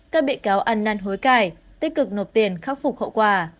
các bị cáo ăn năn hối cải tích cực nộp tiền khắc phục hậu quả